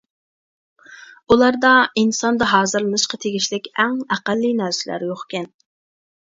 ئۇلاردا ئىنساندا ھازىرلىنىشقا تېگىشلىك ئەڭ ئەقەللىي نەرسىلەر يوقكەن.